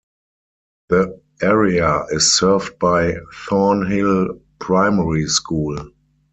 The area is served by Thornhill Primary School.